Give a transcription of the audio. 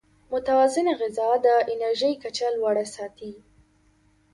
متوازن غذا د انرژۍ کچه لوړه ساتي.